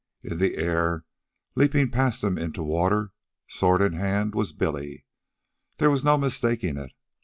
In the air, leaping past him into the water, sword in hand, was Billy. There was no mistaking it.